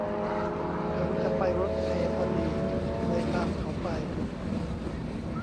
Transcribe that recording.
เขาจะไปรถเมล์พอดี เลยตามเขาไป